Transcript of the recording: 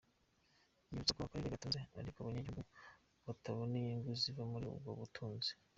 Yibutsa ko akarere gatunze ariko abanyagihugu batabona inyungu ziva muri ubwo butunzi.